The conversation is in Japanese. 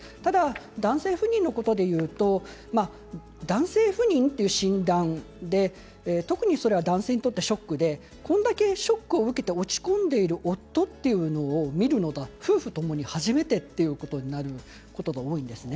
ただ男性不妊のことでいうと男性不妊という診断で男性にとってはショックでこれだけショックを受けて落ち込んでいる夫を見るのも夫婦ともに初めてということになると思います。